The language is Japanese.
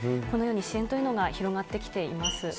このように支援というのが広がってきています。